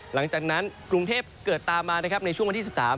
หลังจากนั้นกรุงเทพเกิดตามมานะครับในช่วงวันที่๑๓